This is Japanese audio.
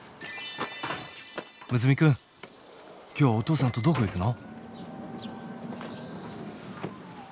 睦弥くん今日はお父さんとどこ行くの？